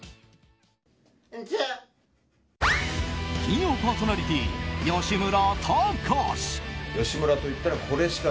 金曜パーソナリティー吉村崇。